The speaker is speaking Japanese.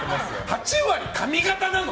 ８割髪形なの？